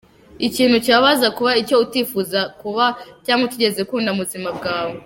Ikintu kibabaza kuba icyo utifuzaga kuba cyangwa utigeze ukunda mubuzima bwawe.